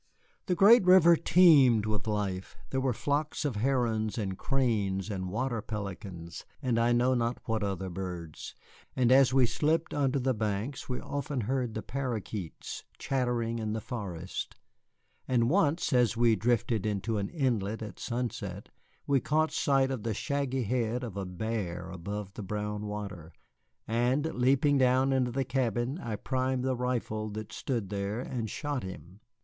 The great river teemed with life. There were flocks of herons and cranes and water pelicans, and I know not what other birds, and as we slipped under the banks we often heard the paroquets chattering in the forests. And once, as we drifted into an inlet at sunset, we caught sight of the shaggy head of a bear above the brown water, and leaping down into the cabin I primed the rifle that stood there and shot him.